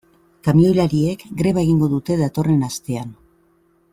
Kamioilariek greba egingo dute datorren astean.